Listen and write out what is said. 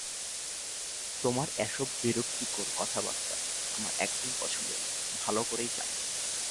তোমার এসব বিরক্তিকর কথাবার্তা আমার একদম পছন্দ না, ভালো করেই জানো।